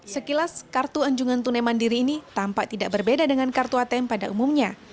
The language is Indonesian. sekilas kartu anjungan tunai mandiri ini tampak tidak berbeda dengan kartu atm pada umumnya